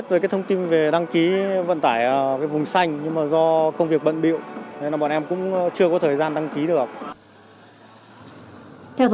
sau khi đăng ký vận tải vùng xanh